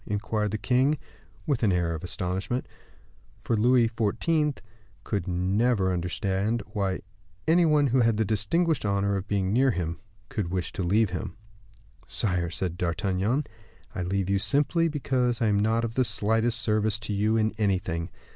inquired the king, with an air of astonishment; for Louis XIV. could never understand why any one who had the distinguished honor of being near him could wish to leave him. "Sire," said D'Artagnan, "I leave you simply because I am not of the slightest service to you in anything.